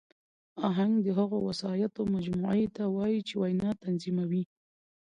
آهنګ د هغو وسایطو مجموعې ته وایي، چي وینا تنظیموي.